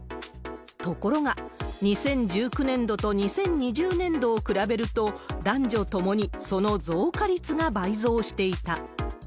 ところが、２０１９年度と２０２０年度を比べると、男女ともにその増加率が倍増していた。